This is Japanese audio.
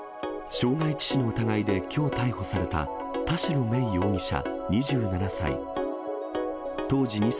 傷害致死の疑いできょう逮捕された、田代芽衣容疑者２７歳。